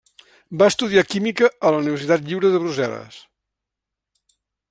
Va estudiar química a la Universitat Lliure de Brussel·les.